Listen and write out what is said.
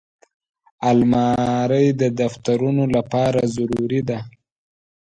الماري د دفترونو لپاره ضروري ده